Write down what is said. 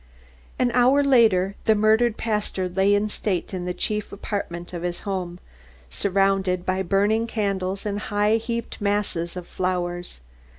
An hour later the murdered pastor lay in state in the chief apartment of his home, surrounded by burning candles and high heaped masses of flowers.